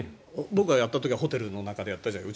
僕がやった時はホテルの中でやったじゃない。